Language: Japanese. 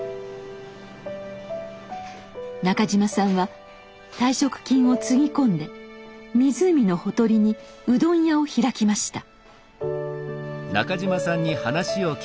中島さんは退職金をつぎ込んで湖のほとりにうどん屋を開きました。